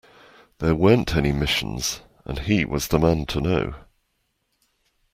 There weren't any missions, and he was the man to know.